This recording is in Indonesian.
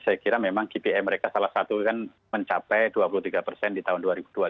saya kira memang kpi mereka salah satu kan mencapai dua puluh tiga persen di tahun dua ribu dua puluh